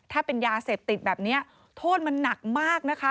ถ้าเป็นยาเสพติดแบบนี้โทษมันหนักมากนะคะ